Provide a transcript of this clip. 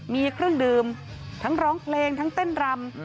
มีเครื่องดื่มทั้งร้องเพลงทั้งเต้นรำ